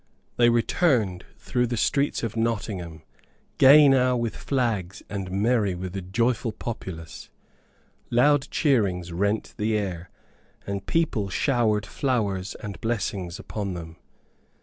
They returned through the streets of Nottingham, gay now with flags and merry with a joyful populace. Loud cheerings rent the air, and people showered flowers and blessings upon them.